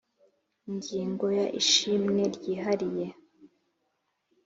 Ingingo ya ishimwe ryihariye